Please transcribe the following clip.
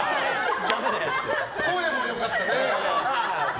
声もよかったね。